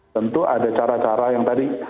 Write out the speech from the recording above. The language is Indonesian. tentu ada cara cara yang tadi